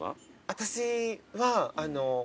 私は。